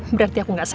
berarti aku gak salah